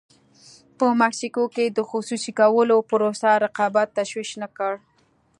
په مکسیکو کې د خصوصي کولو پروسه رقابت تشویق نه کړ.